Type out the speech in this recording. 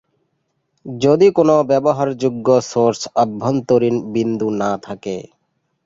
যদি কোনো ব্যবহারযোগ্য সোর্স অভ্যন্তরীণ বিন্দু না থাকে।